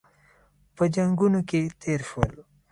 په جنګونو کې تېر شول.